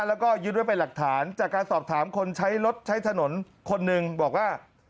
แล้วก็ยึดไว้เป็นหลักฐานจากการสอบถามคนใช้รถใช้ถนนคนหนึ่งบอกว่า